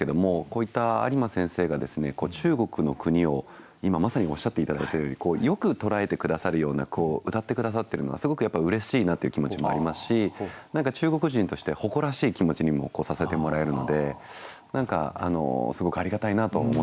こういった有馬先生が中国の国を今まさにおっしゃって頂いたようによく捉えて下さるようなうたって下さってるのがすごくやっぱりうれしいなという気持ちもありますし中国人として誇らしい気持ちにもさせてもらえるので何かすごくありがたいなと思ってうかがっておりました。